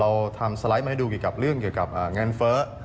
เราทำสไลด์มาให้ดูเกี่ยวกับเรื่องเงินเฟ้อ